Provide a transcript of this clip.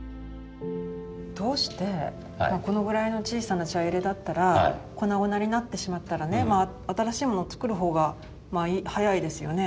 どうしてこのぐらいの小さな茶入だったら粉々になってしまったらね新しいもの作る方が早いですよね。